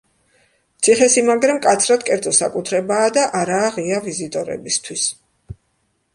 ციხესიმაგრე მკაცრად კერძო საკუთრებაა და არაა ღია ვიზიტორებისთვის.